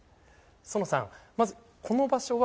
爾さん、まずこの場所は